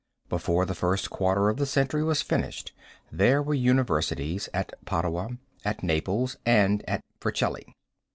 Before the first quarter of the century was finished there were universities at Padua, at Naples, and at Vercelli.